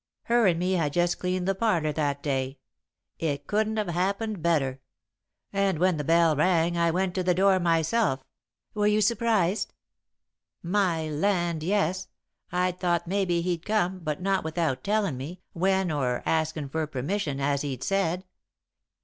Her and me had just cleaned the parlour that day. It couldn't have happened better. And when the bell rang, I went to the door myself." [Sidenote: The Greetings] "Were you surprised?" "My land, yes! I'd thought maybe he'd come, but not without tellin' me when, or askin' for permission, as he'd said.